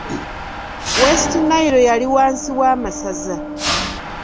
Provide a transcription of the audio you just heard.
West Nile yali wansi w'amasaza.